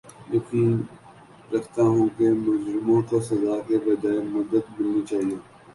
یقین رکھتا ہوں کہ مجرموں کو سزا کے بجاے مدد ملنی چاھیے